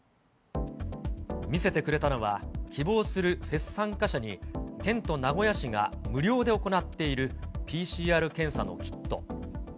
見せてくれたのは、希望するフェス参加者に、県と名古屋市が無料で行っているＰＣＲ検査のキット。